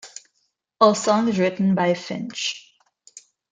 All songs written by Finch.